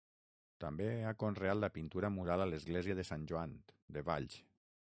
També ha conreat la pintura mural a l'església de Sant Joan, de Valls.